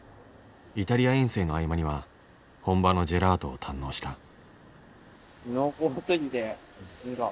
イタリア遠征の合間には本場のジェラートを堪能した。